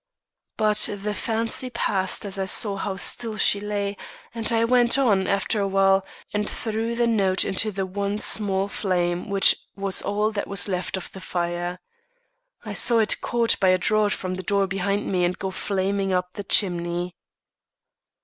"But the fancy passed as I saw how still she lay, and I went on, after a while, and threw the note into the one small flame which was all that was left of the fire. I saw it caught by a draught from the door behind me, and go flaming up the chimney.